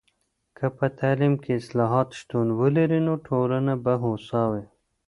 که په تعلیم کې اصلاحات شتون ولري، نو ټولنه به هوسا وي.